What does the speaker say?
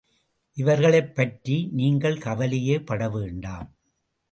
இவர்களைப் பற்றி நீங்கள் கவலையே படவேண்டாம்.